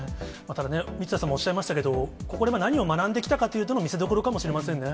ただね、三屋さんもおっしゃいましたけれども、ここまで何を学んできたかなという見せどころかもしれませんね。